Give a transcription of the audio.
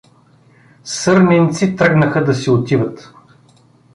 Сърненци тръгнаха да си отиват.